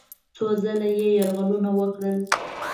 څو ځله یې یرغلونه وکړل.